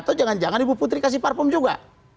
atau jangan jangan ibu putri kasih parfum juga